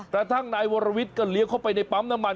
กระทั่งนายวรวิทย์ก็เลี้ยวเข้าไปในปั๊มน้ำมัน